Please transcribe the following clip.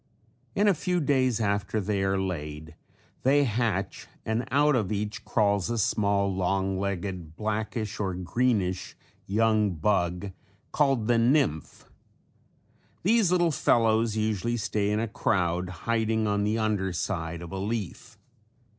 ] In a few days after they are laid they hatch and out of each crawls a small, long legged blackish or greenish young bug called the nymph. These little fellows usually stay in a crowd hiding on the under side of a leaf.